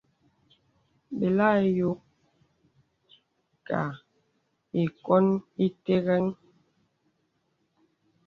Belà ayókā īkǒn ìtərəŋhə.